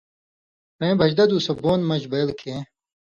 سېں بھجہ دُو سو بُوند مژ بئیل کھیں